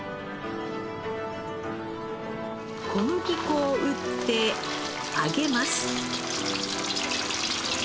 小麦粉を打って揚げます。